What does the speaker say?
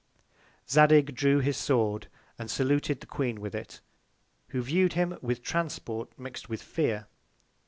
Zadig drew his Sword, and saluted the Queen with it, who view'd him with Transport mix'd with Fear.